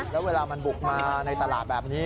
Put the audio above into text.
แล้วเวลามันบุกมาในตลาดแบบนี้